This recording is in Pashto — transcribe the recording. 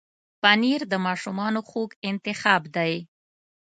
پنېر د ماشومانو خوږ انتخاب دی.